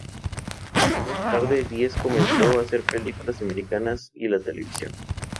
Más tarde Díez comenzó a hacer películas americanas y la televisión.